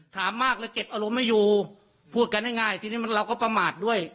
ถามมากเลยเก็บอารมณ์ไม่อยู่พูดกันง่ายทีนี้เราก็ประมาทด้วย